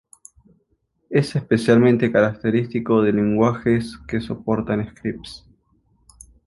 Es especialmente característico de lenguajes que soportan scripts.